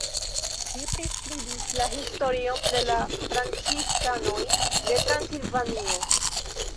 Li priskribis la historion de la franciskanoj de Transilvanio.